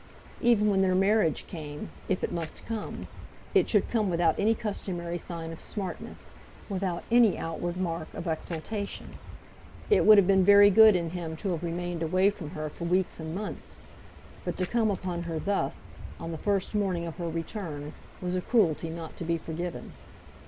Even when their marriage came, if it must come, it should come without any customary sign of smartness, without any outward mark of exaltation. It would have been very good in him to have remained away from her for weeks and months; but to come upon her thus, on the first morning of her return, was a cruelty not to be forgiven.